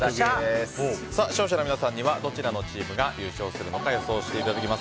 視聴者の皆さんにはどちらのチームが優勝するのか投票してもらいます。